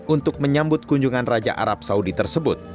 untuk menyambut kunjungan raja arab saudi tersebut